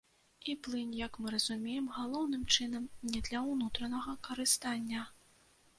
І плынь, як мы разумеем, галоўным чынам не для ўнутранага карыстання.